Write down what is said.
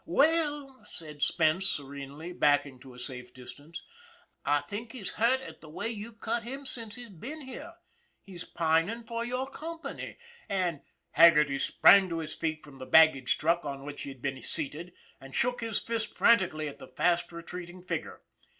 " Well," said Spence serenely, backing to a safe dis tance, " I think he's hurt at the way you've cut him since he's been here. He's pining for your company, and " Haggerty sprang to his feet from the baggage truck on which he had been seated, and shook his fist franti cally at the fast retreating figure.